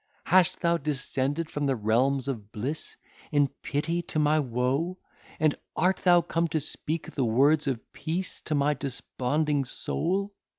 hast thou descended from the realms of bliss, in pity to my woe? and art thou come to speak the words of peace to my desponding soul?